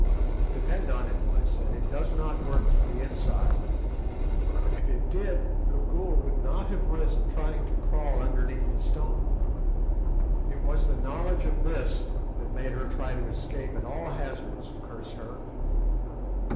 "Depend on it," I said, "it does not work from the inside; if it did Gagool would not have risked trying to crawl underneath the stone. It was the knowledge of this that made her try to escape at all hazards, curse her."